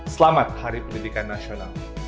selamat hari pendidikan nasional